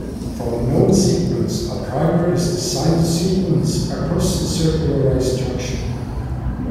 From a known sequence, a primer is designed to sequence across the circularised junction.